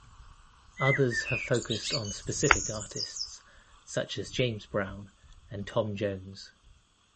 Others have focused on specific artists, such as James Brown and Tom Jones.